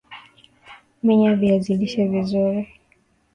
menya viazi lishe vizuri